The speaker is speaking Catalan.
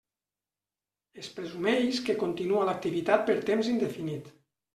Es presumeix que continua l'activitat per temps indefinit.